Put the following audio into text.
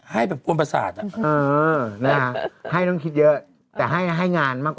ให้แต่ว่าไม่ให้เงินให้แต่ไม่ให้ถูก